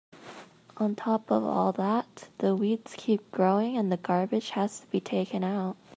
On top of all that, the weeds keep growing and the garbage has to be taken out.